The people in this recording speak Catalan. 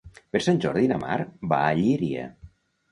Per Sant Jordi na Mar va a Llíria.